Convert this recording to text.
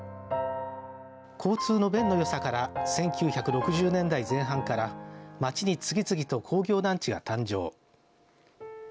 交通の便のよさから１９６０年代前半から街に次々と工業団地が誕生。